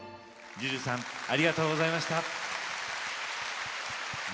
ＪＵＪＵさんありがとうございました。